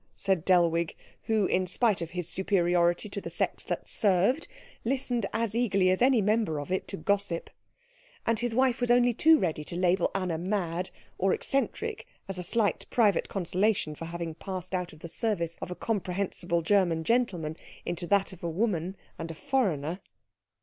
said Dellwig, who, in spite of his superiority to the sex that served, listened as eagerly as any member of it to gossip; and his wife was only too ready to label Anna mad or eccentric as a slight private consolation for having passed out of the service of a comprehensible German gentleman into that of a woman and a foreigner.